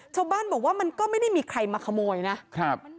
ชาวบ้านบอกว่ามันก็ไม่ได้มีใครมาขโมยนะครับ